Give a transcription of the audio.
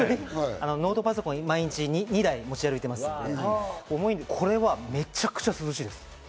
ノートパソコンをいつも２台持ち歩いているので、これめちゃくちゃ涼しいです。